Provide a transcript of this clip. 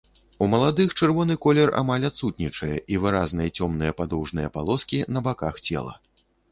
У маладых чырвоны колер амаль адсутнічае і выразныя цёмныя падоўжныя палоскі на баках цела.